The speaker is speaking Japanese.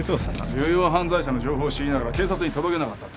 重要犯罪者の情報を知りながら警察に届けなかった。